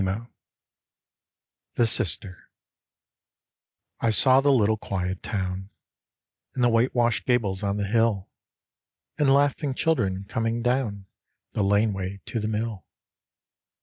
107 THE SISTER I SAW the little quiet town, And the whitewashed gables on the hill, And laughing children coming down The laneway to the mill.